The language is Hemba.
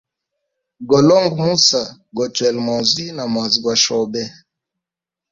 Golonga musa, gochwela maozi na mwazi gwa shobe.